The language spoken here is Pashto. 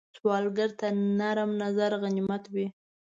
سوالګر ته نرم نظر غنیمت وي